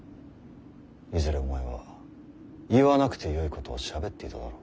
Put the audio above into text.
いずれお前は言わなくてよいことをしゃべっていただろう。